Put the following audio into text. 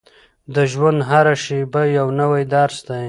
د ژوند هره شېبه یو نوی درس دی.